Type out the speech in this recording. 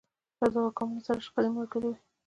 له دغو ګامونو سره شخړې ملګرې وې.